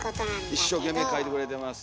一生懸命書いてくれてます。